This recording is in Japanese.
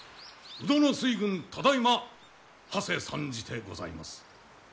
鵜殿水軍ただいまはせ参じてございます。